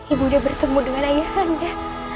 ibu nda bertemu dengan ayah nda